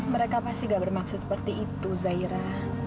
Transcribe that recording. mereka pasti gak bermaksud seperti itu zaira